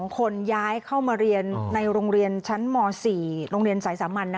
๒คนย้ายเข้ามาเรียนในโรงเรียนชั้นม๔โรงเรียนสายสามัญ